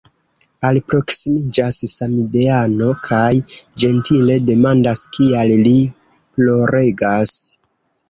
Alproksimiĝas samideano kaj ĝentile demandas, kial li ploregas.